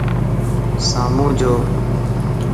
سامون جو